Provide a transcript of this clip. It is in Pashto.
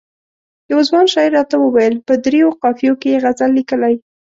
یوه ځوان شاعر راته وویل په دریو قافیو کې یې غزل لیکلی.